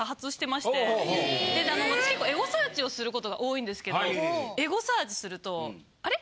私結構エゴサーチをすることが多いんですけどエゴサーチするとあれ？